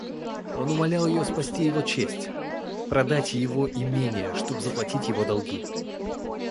Он умолял ее спасти его честь, продать ее имение, чтобы заплатить его долги.